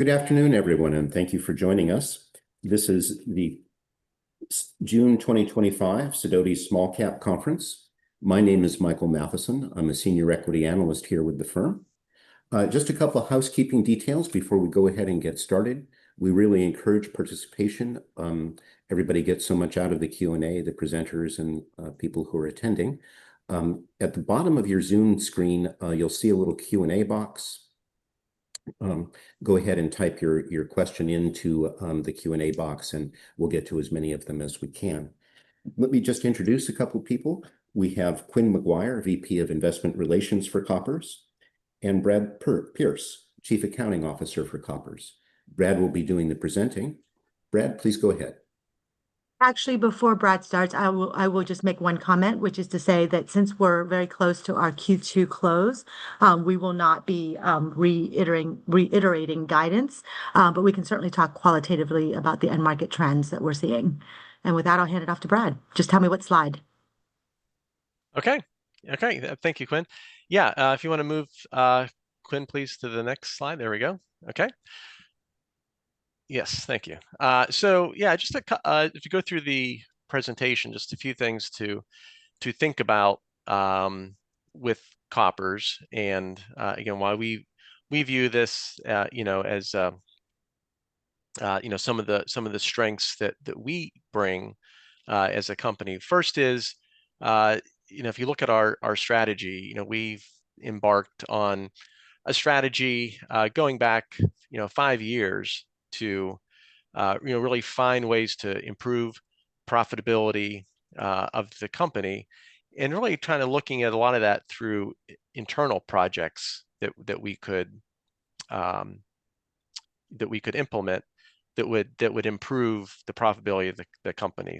Good afternoon, everyone, and thank you for joining us. This is the June 2025 Sidoti small cap conference. My name is Michael Matheson. I'm a Senior Equity Analyst here with the firm. Just a couple of housekeeping details before we go ahead and get started. We really encourage participation. Everybody gets so much out of the Q&A, the presenters, and people who are attending. At the bottom of your Zoom screen, you'll see a little Q&A box. Go ahead and type your question into the Q&A box, and we'll get to as many of them as we can. Let me just introduce a couple of people. We have Quynh McGuire, VP of Investment Relations for Koppers, and Brad Pearce, Chief Accounting Officer for Koppers. Brad will be doing the presenting. Brad, please go ahead. Actually, before Brad starts, I will just make one comment, which is to say that since we're very close to our Q2 close, we will not be reiterating guidance, but we can certainly talk qualitatively about the end market trends that we're seeing. With that, I'll hand it off to Brad. Just tell me what slide. Okay. Thank you, Quynh. Yeah. If you want to move, Quynh, please, to the next slide. There we go. Okay. Yes. Thank you. Yeah, just to go through the presentation, just a few things to think about with Koppers and, again, why we view this as some of the strengths that we bring as a company. First is, if you look at our strategy, we have embarked on a strategy going back five years to really find ways to improve profitability of the company and really kind of looking at a lot of that through internal projects that we could implement that would improve the profitability of the company.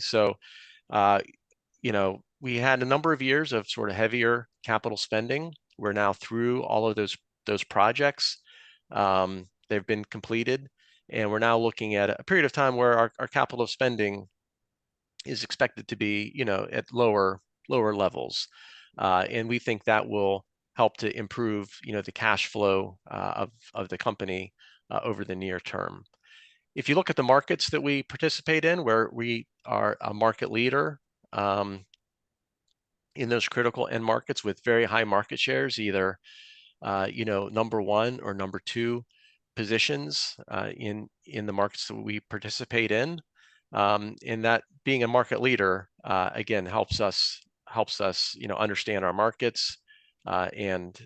We had a number of years of sort of heavier capital spending. We are now through all of those projects. They have been completed. We are now looking at a period of time where our capital spending is expected to be at lower levels. We think that will help to improve the cash flow of the company over the near term. If you look at the markets that we participate in, we are a market leader in those critical end markets with very high market shares, either number one or number two positions in the markets that we participate in. Being a market leader, again, helps us understand our markets and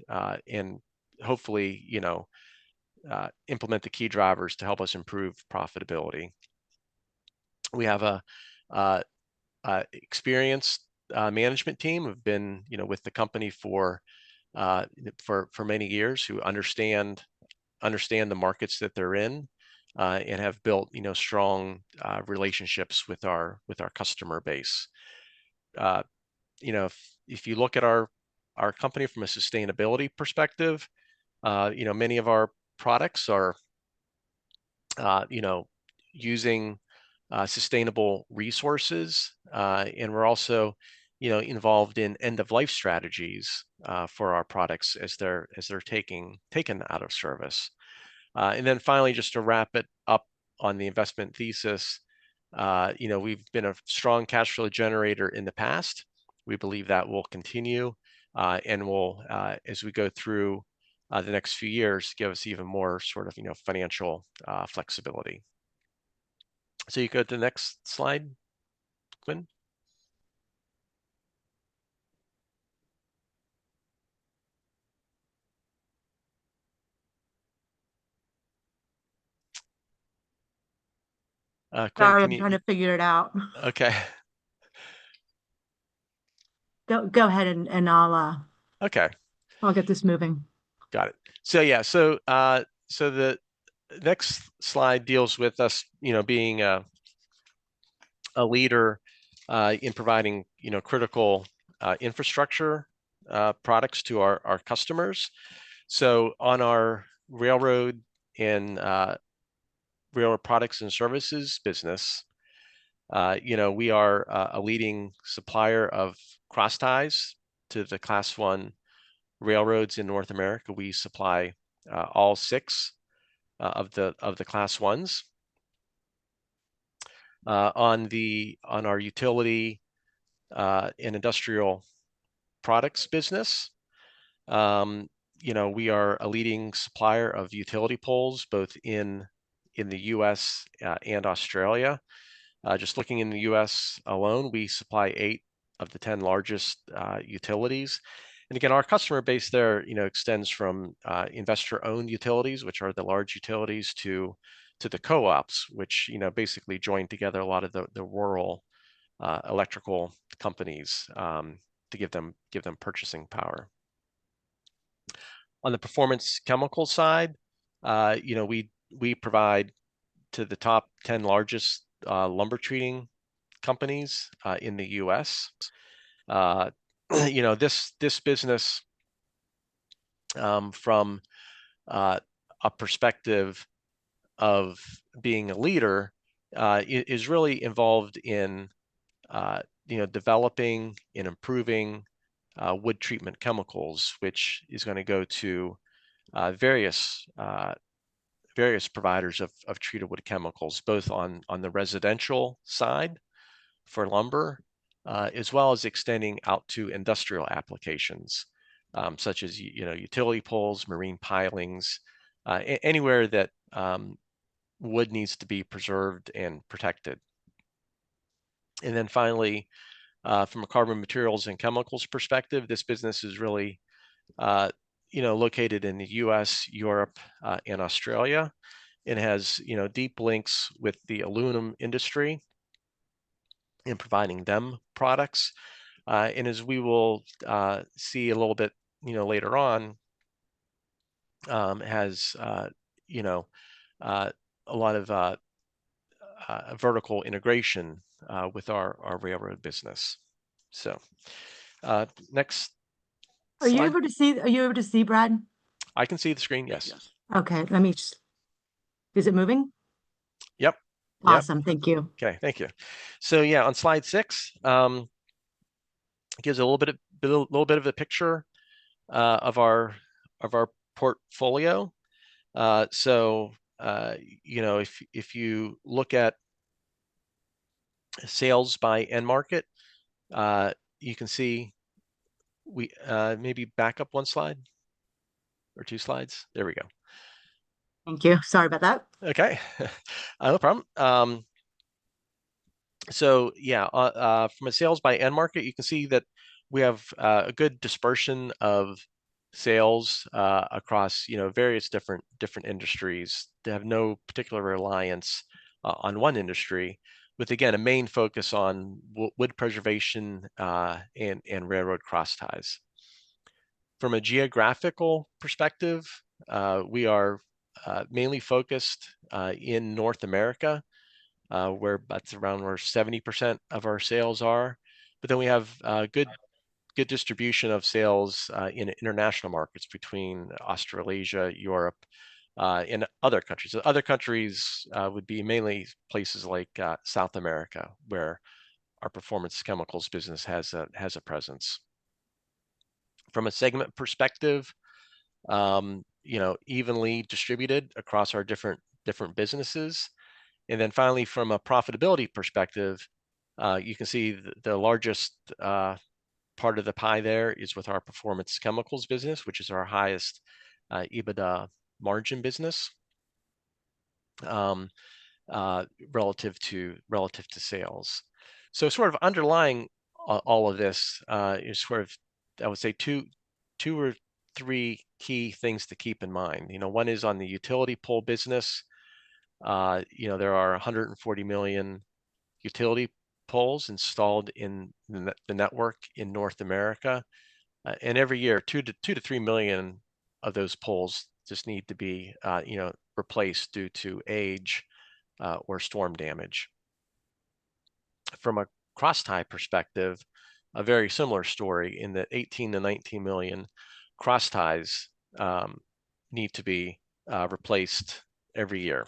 hopefully implement the key drivers to help us improve profitability. We have an experienced management team who have been with the company for many years, who understand the markets that they're in and have built strong relationships with our customer base. If you look at our company from a sustainability perspective, many of our products are using sustainable resources. We're also involved in end-of-life strategies for our products as they're taken out of service. Finally, just to wrap it up on the investment thesis, we've been a strong cash flow generator in the past. We believe that will continue and will, as we go through the next few years, give us even more sort of financial flexibility. Could you go to the next slide, Quynh? I'm trying to figure it out. Okay. Go ahead, and I'll get this moving. Got it. Yeah. The next slide deals with us being a leader in providing critical infrastructure products to our customers. On our Railroad and Utility Products and Services business, we are a leading supplier of cross ties to the Class I railroads in North America. We supply all six of the Class Is. On our utility and industrial products business, we are a leading supplier of utility poles both in the US and Australia. Just looking in the US alone, we supply eight of the 10 largest utilities. Again, our customer base there extends from investor-owned utilities, which are the large utilities, to the co-ops, which basically join together a lot of the rural electrical companies to give them purchasing power. On the Performance Chemicals side, we provide to the top 10 largest lumber treating companies in the U.S. This business, from a perspective of being a leader, is really involved in developing and improving wood treatment chemicals, which is going to go to various providers of treated wood chemicals, both on the residential side for lumber as well as extending out to industrial applications such as utility poles, marine pilings, anywhere that wood needs to be preserved and protected. Finally, from a Carbon Materials and Chemicals perspective, this business is really located in the U.S., Europe, and Australia. It has deep links with the aluminum industry in providing them products. As we will see a little bit later on, it has a lot of vertical integration with our railroad business. Next. Are you able to see, Brad? I can see the screen, yes. Okay. Let me just—is it moving? Yep. Awesome. Thank you. Okay. Thank you. Yeah, on slide six, it gives a little bit of a picture of our portfolio. If you look at sales by end market, you can see—maybe back up one slide or two slides. There we go. Thank you. Sorry about that. Okay. No problem. So yeah, from a sales by end market, you can see that we have a good dispersion of sales across various different industries. They have no particular reliance on one industry, with, again, a main focus on wood preservation and railroad cross ties. From a geographical perspective, we are mainly focused in North America, where that's around where 70% of our sales are. But then we have good distribution of sales in international markets between Australasia, Europe, and other countries. Other countries would be mainly places like South America, where our performance chemicals business has a presence. From a segment perspective, evenly distributed across our different businesses. And then finally, from a profitability perspective, you can see the largest part of the pie there is with our performance chemicals business, which is our highest EBITDA margin business relative to sales. Sort of underlying all of this is, I would say, two or three key things to keep in mind. One is on the utility pole business. There are 140 million utility poles installed in the network in North America. Every year, 2 million-3 million of those poles just need to be replaced due to age or storm damage. From a cross tie perspective, a very similar story in that 18 million-19 million cross ties need to be replaced every year.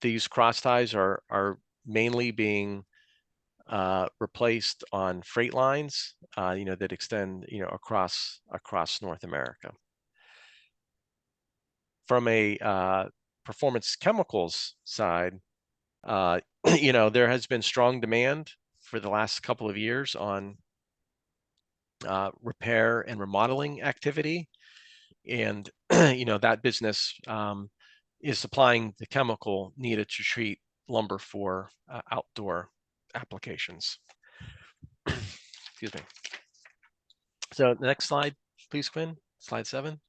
These cross ties are mainly being replaced on freight lines that extend across North America. From a performance chemicals side, there has been strong demand for the last couple of years on repair and remodeling activity. That business is supplying the chemical needed to treat lumber for outdoor applications. Excuse me. The next slide, please, Quynh. Slide seven.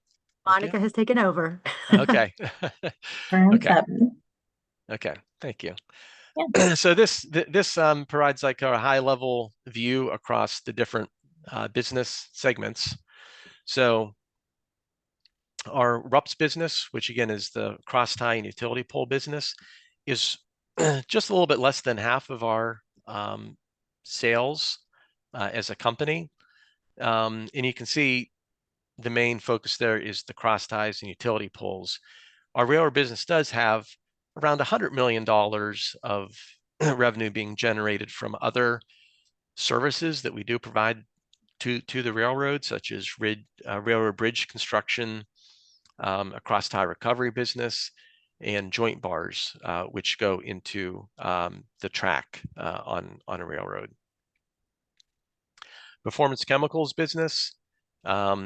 Monica has taken over. Okay. Turn seven. Okay. Thank you. This provides a high-level view across the different business segments. Our RUPS business, which again is the cross tie and utility pole business, is just a little bit less than half of our sales as a company. You can see the main focus there is the cross ties and utility poles. Our railroad business does have around $100 million of revenue being generated from other services that we do provide to the railroad, such as railroad bridge construction, a cross tie recovery business, and joint bars, which go into the track on a railroad. Performance Chemicals business, I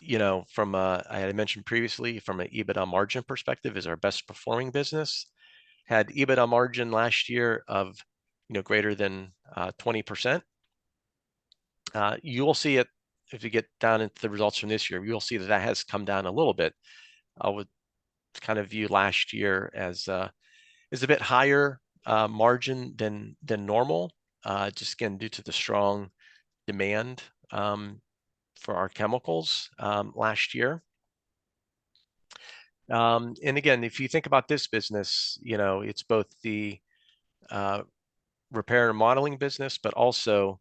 had mentioned previously, from an EBITDA margin perspective, is our best-performing business. Had EBITDA margin last year of greater than 20%. You will see it if you get down into the results from this year. You will see that that has come down a little bit. I would kind of view last year as a bit higher margin than normal, just again, due to the strong demand for our chemicals last year. If you think about this business, it's both the repair and remodeling business, but also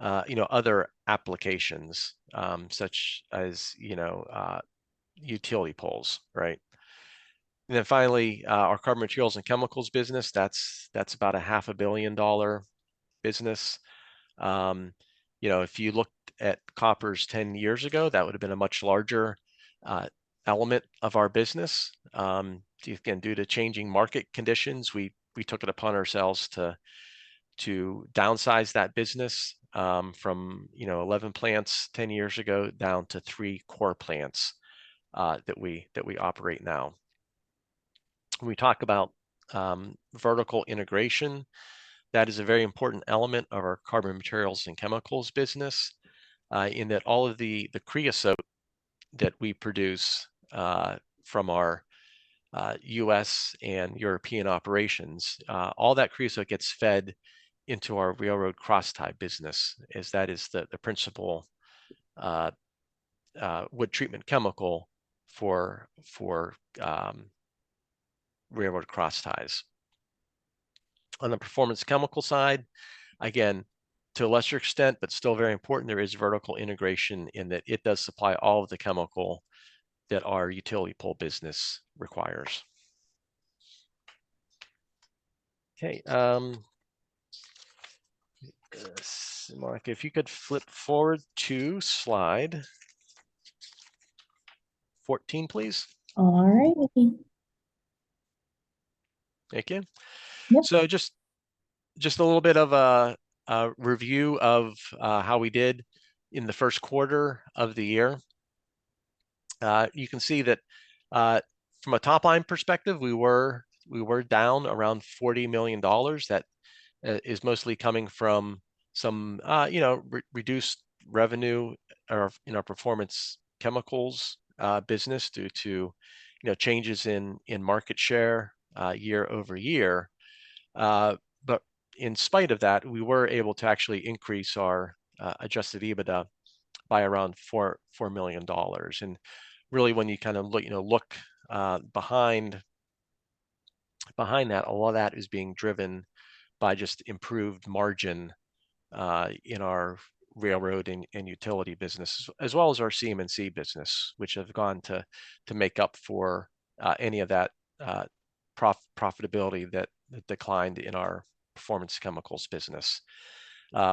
other applications such as utility poles, right? Finally, our Carbon Materials and Chemicals business, that's about a half a billion dollar business. If you looked at Koppers 10 years ago, that would have been a much larger element of our business. Due to changing market conditions, we took it upon ourselves to downsize that business from 11 plants 10 years ago down to three core plants that we operate now. When we talk about vertical integration, that is a very important element of our Carbon Materials and Chemicals business in that all of the creosote that we produce from our U.S. and European operations, all that creosote gets fed into our railroad cross tie business, as that is the principal wood treatment chemical for railroad cross ties. On the Performance Chemicals side, again, to a lesser extent, but still very important, there is vertical integration in that it does supply all of the chemical that our utility pole business requires. Okay. Monica, if you could flip forward to slide 14, please. All righty. Thank you. So just a little bit of a review of how we did in the first quarter of the year. You can see that from a top-line perspective, we were down around $40 million. That is mostly coming from some reduced revenue in our Performance Chemicals business due to changes in market share year over year. But in spite of that, we were able to actually increase our adjusted EBITDA by around $4 million. And really, when you kind of look behind that, a lot of that is being driven by just improved margin in our Railroad and Utility Products and Services business, as well as our Carbon Materials and Chemicals business, which have gone to make up for any of that profitability that declined in our Performance Chemicals business.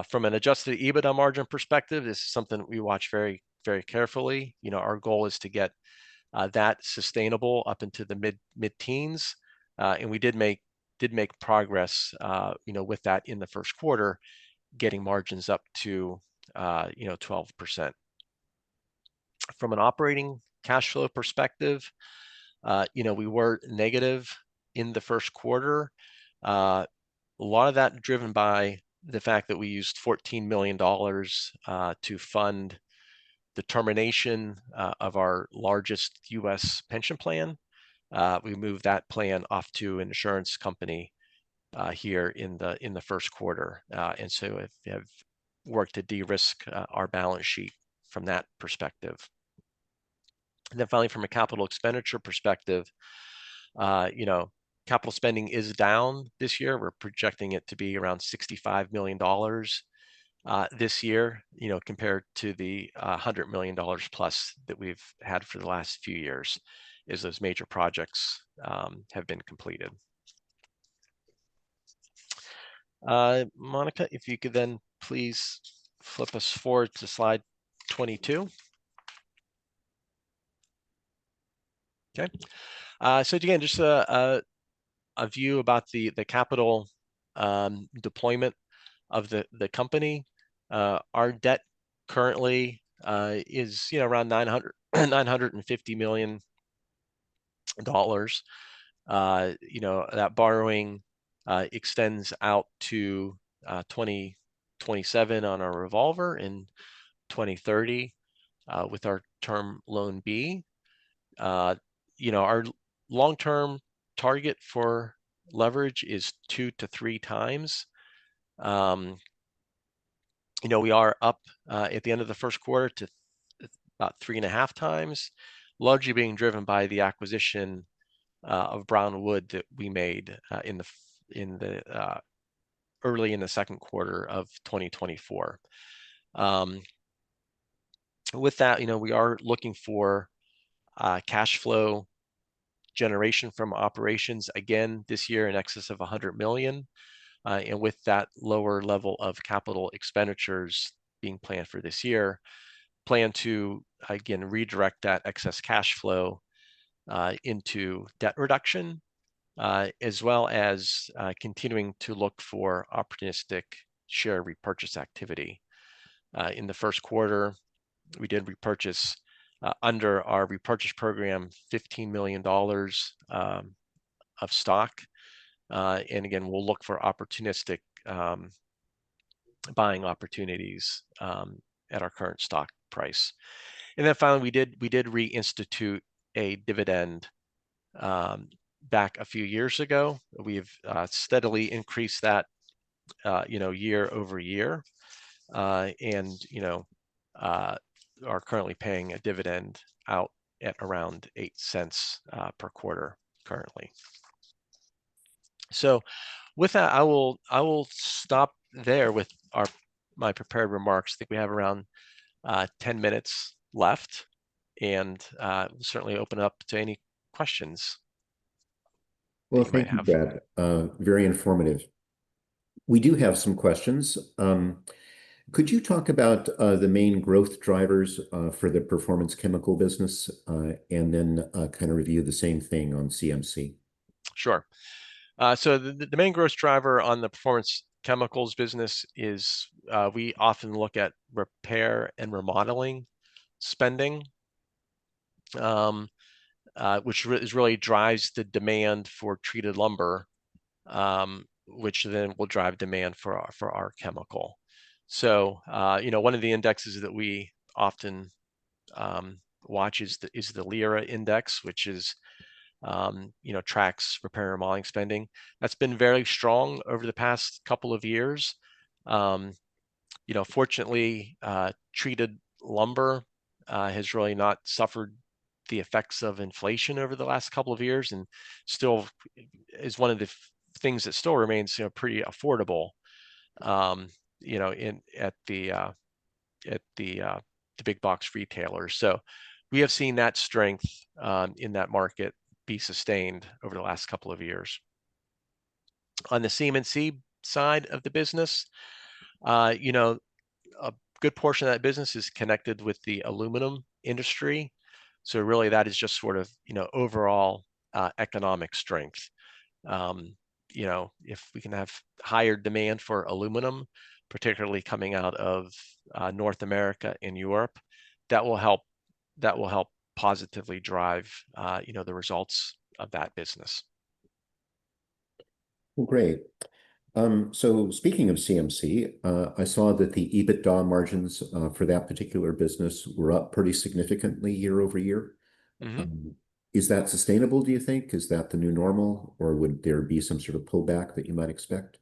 From an adjusted EBITDA margin perspective, this is something we watch very, very carefully. Our goal is to get that sustainable up into the mid-teens. We did make progress with that in the first quarter, getting margins up to 12%. From an operating cash flow perspective, we were negative in the first quarter. A lot of that driven by the fact that we used $14 million to fund the termination of our largest US pension plan. We moved that plan off to an insurance company here in the first quarter. We have worked to de-risk our balance sheet from that perspective. Finally, from a capital expenditure perspective, capital spending is down this year. We're projecting it to be around $65 million this year compared to the $100 million-plus that we've had for the last few years as those major projects have been completed. Monica, if you could then please flip us forward to slide 22. Okay. Again, just a view about the capital deployment of the company. Our debt currently is around $950 million. That borrowing extends out to 2027 on our revolver and 2030 with our term loan B. Our long-term target for leverage is 2x-3x. We are up at the end of the first quarter to about 3.5x, largely being driven by the acquisition of Brown Wood that we made early in the second quarter of 2024. With that, we are looking for cash flow generation from operations again this year in excess of $100 million. With that lower level of capital expenditures being planned for this year, plan to, again, redirect that excess cash flow into debt reduction, as well as continuing to look for opportunistic share repurchase activity. In the first quarter, we did repurchase under our repurchase program $15 million of stock. We will look for opportunistic buying opportunities at our current stock price. Finally, we did reinstitute a dividend back a few years ago. We have steadily increased that year over year and are currently paying a dividend out at around $0.08 per quarter currently. With that, I will stop there with my prepared remarks. I think we have around 10 minutes left, and we will certainly open up to any questions. Thank you, Brad. Very informative. We do have some questions. Could you talk about the main growth drivers for the performance chemical business and then kind of review the same thing on CMC? Sure. The main growth driver on the Performance Chemicals business is we often look at repair and remodeling spending, which really drives the demand for treated lumber, which then will drive demand for our chemical. One of the indexes that we often watch is the LIRA Index, which tracks repair and remodeling spending. That has been very strong over the past couple of years. Fortunately, treated lumber has really not suffered the effects of inflation over the last couple of years and still is one of the things that remains pretty affordable at the big box retailers. We have seen that strength in that market be sustained over the last couple of years. On the CMNC side of the business, a good portion of that business is connected with the aluminum industry. That is just sort of overall economic strength. If we can have higher demand for aluminum, particularly coming out of North America and Europe, that will help positively drive the results of that business. Great. Speaking of CMC, I saw that the EBITDA margins for that particular business were up pretty significantly year over year. Is that sustainable, do you think? Is that the new normal, or would there be some sort of pullback that you might expect?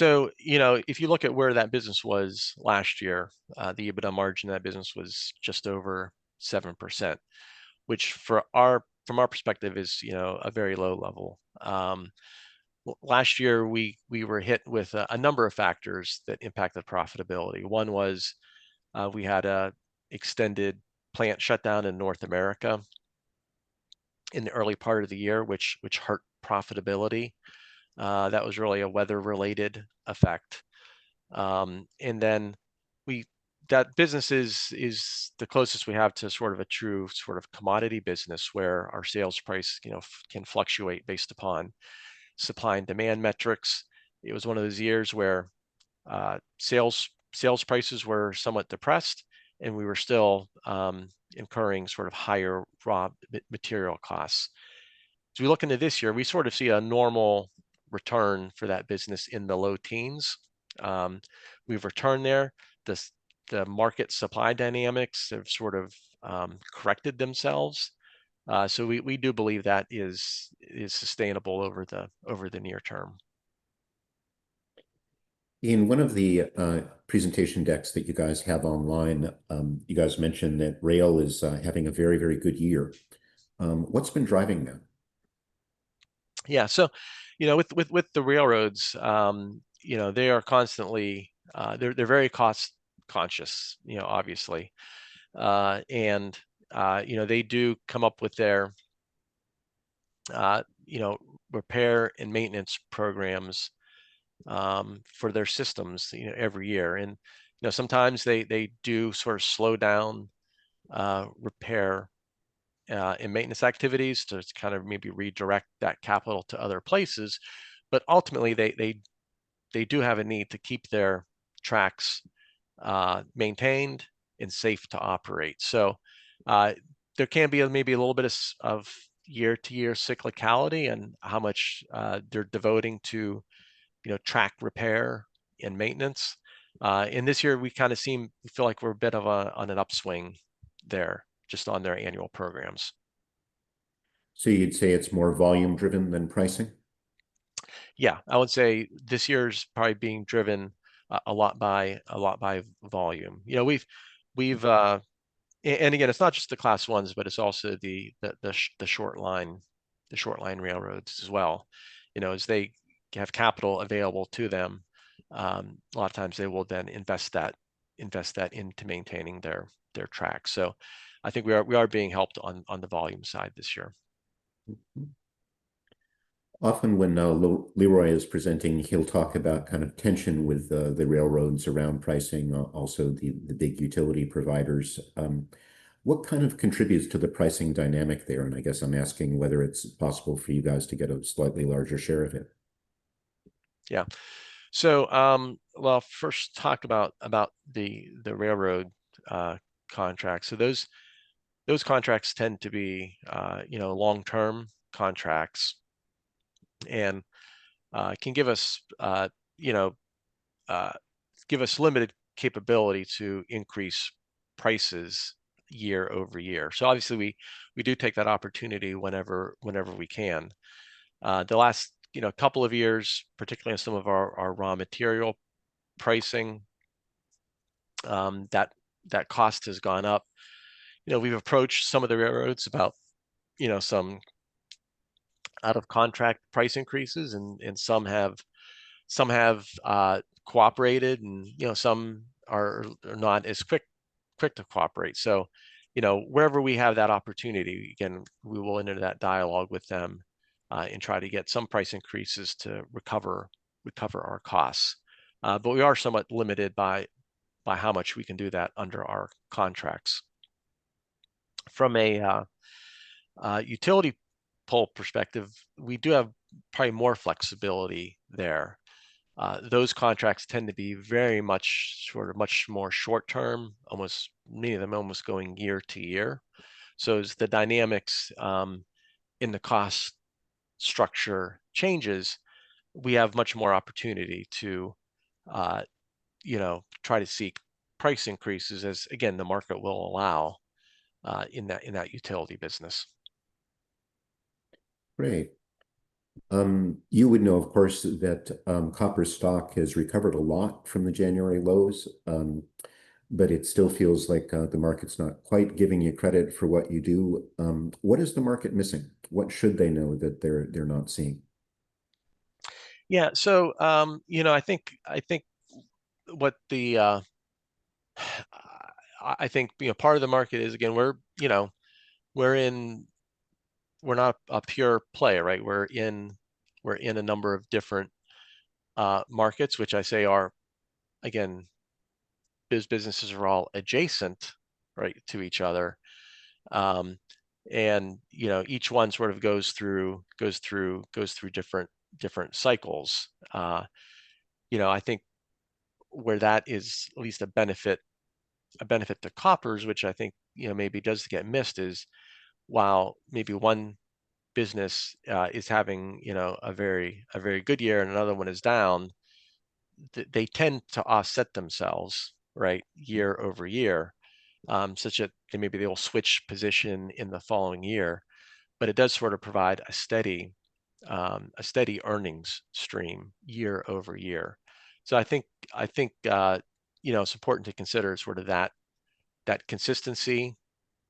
Yeah. If you look at where that business was last year, the EBITDA margin of that business was just over 7%, which from our perspective is a very low level. Last year, we were hit with a number of factors that impacted profitability. One was we had an extended plant shutdown in North America in the early part of the year, which hurt profitability. That was really a weather-related effect. That business is the closest we have to sort of a true sort of commodity business where our sales price can fluctuate based upon supply and demand metrics. It was one of those years where sales prices were somewhat depressed, and we were still incurring sort of higher raw material costs. As we look into this year, we sort of see a normal return for that business in the low teens. We have returned there. The market supply dynamics have sort of corrected themselves. We do believe that is sustainable over the near term. In one of the presentation decks that you guys have online, you guys mentioned that rail is having a very, very good year. What's been driving that? Yeah. With the railroads, they are constantly they're very cost-conscious, obviously. They do come up with their repair and maintenance programs for their systems every year. Sometimes they do sort of slow down repair and maintenance activities to kind of maybe redirect that capital to other places. Ultimately, they do have a need to keep their tracks maintained and safe to operate. There can be maybe a little bit of year-to-year cyclicality in how much they're devoting to track repair and maintenance. This year, we kind of feel like we're a bit on an upswing there just on their annual programs. You'd say it's more volume-driven than pricing? Yeah. I would say this year is probably being driven a lot by volume. Again, it's not just the Class I's, but it's also the short-line railroads as well. As they have capital available to them, a lot of times they will then invest that into maintaining their tracks. I think we are being helped on the volume side this year. Often when Leroy is presenting, he'll talk about kind of tension with the railroads around pricing, also the big utility providers. What kind of contributes to the pricing dynamic there? I guess I'm asking whether it's possible for you guys to get a slightly larger share of it. Yeah. I'll first talk about the railroad contracts. Those contracts tend to be long-term contracts and can give us limited capability to increase prices year over year. Obviously, we do take that opportunity whenever we can. The last couple of years, particularly on some of our raw material pricing, that cost has gone up. We've approached some of the railroads about some out-of-contract price increases, and some have cooperated, and some are not as quick to cooperate. Wherever we have that opportunity, again, we will enter that dialogue with them and try to get some price increases to recover our costs. We are somewhat limited by how much we can do that under our contracts. From a utility pole perspective, we do have probably more flexibility there. Those contracts tend to be very much sort of much more short-term, many of them almost going year to year. As the dynamics in the cost structure changes, we have much more opportunity to try to seek price increases as, again, the market will allow in that utility business. Great. You would know, of course, that Koppers' stock has recovered a lot from the January lows, but it still feels like the market's not quite giving you credit for what you do. What is the market missing? What should they know that they're not seeing? Yeah. I think part of the market is, again, we're not a pure player, right? We're in a number of different markets, which I say are, again, those businesses are all adjacent to each other. Each one sort of goes through different cycles. I think where that is at least a benefit to Koppers, which I think maybe does get missed, is while maybe one business is having a very good year and another one is down, they tend to offset themselves year over year, such that maybe they will switch position in the following year. It does sort of provide a steady earnings stream year over year. I think it's important to consider sort of that consistency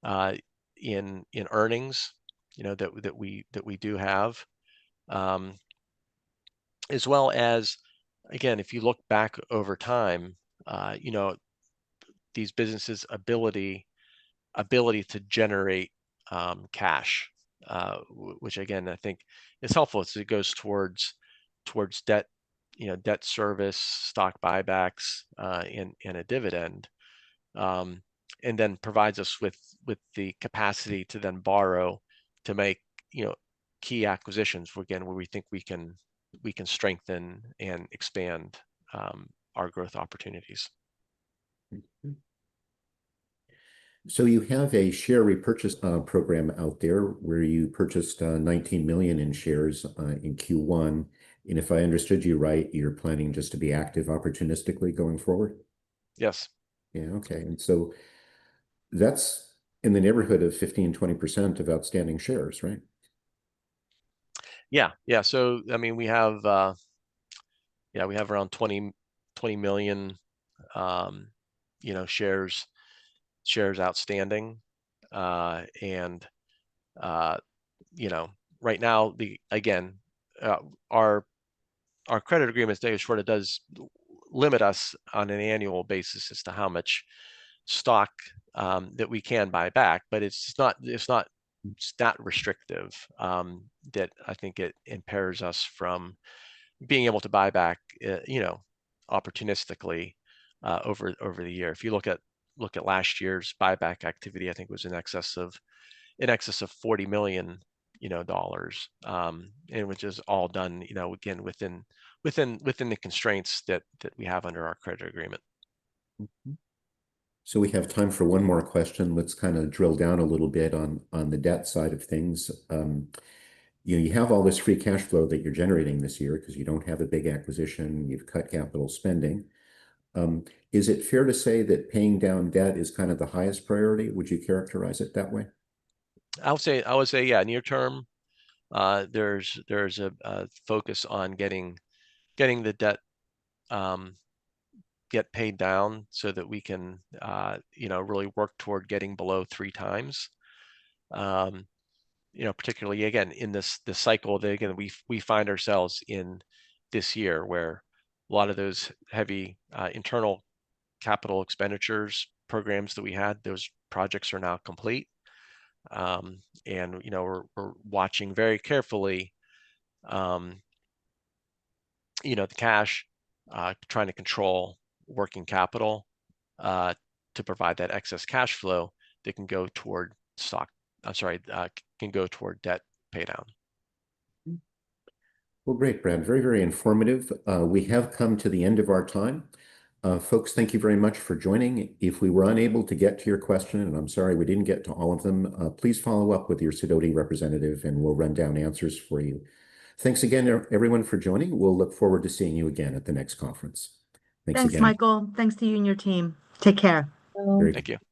in earnings that we do have, as well as, again, if you look back over time, these businesses' ability to generate cash, which, again, I think is helpful as it goes towards debt service, stock buybacks, and a dividend, and then provides us with the capacity to then borrow to make key acquisitions, again, where we think we can strengthen and expand our growth opportunities. You have a share repurchase program out there where you purchased $19 million in shares in Q1. If I understood you right, you're planning just to be active opportunistically going forward? Yes. Yeah. Okay. And so that's in the neighborhood of 15-20% of outstanding shares, right? Yeah. Yeah. So I mean, yeah, we have around 20 million shares outstanding. And right now, again, our credit agreement today sort of does limit us on an annual basis as to how much stock that we can buy back. But it's not restrictive that I think it impairs us from being able to buy back opportunistically over the year. If you look at last year's buyback activity, I think it was in excess of $40 million, which is all done, again, within the constraints that we have under our credit agreement. We have time for one more question. Let's kind of drill down a little bit on the debt side of things. You have all this free cash flow that you're generating this year because you don't have a big acquisition. You've cut capital spending. Is it fair to say that paying down debt is kind of the highest priority? Would you characterize it that way? I would say, yeah, near term, there's a focus on getting the debt paid down so that we can really work toward getting below three times, particularly, again, in the cycle that, again, we find ourselves in this year where a lot of those heavy internal capital expenditures programs that we had, those projects are now complete. We are watching very carefully the cash, trying to control working capital to provide that excess cash flow that can go toward stock—I'm sorry—can go toward debt paydown. Great, Brad. Very, very informative. We have come to the end of our time. Folks, thank you very much for joining. If we were unable to get to your question, and I'm sorry we didn't get to all of them, please follow up with your Sidoti representative, and we'll run down answers for you. Thanks again, everyone, for joining. We'll look forward to seeing you again at the next conference. Thanks again. Thanks, Michael. Thanks to you and your team. Take care. Thank you.